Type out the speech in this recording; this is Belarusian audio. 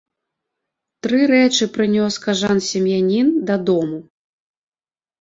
Тры рэчы прынёс кажан сем'янін дадому.